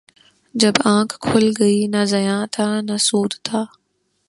جب آنکھ کھل گئی، نہ زیاں تھا نہ سود تھا